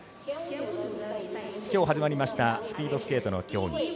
きょう始まりましたスピードスケートの競技